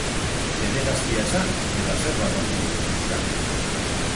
Pederastia esan eta zer datorkigu burura?